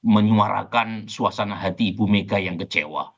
menyuarakan suasana hati ibu mega yang kecewa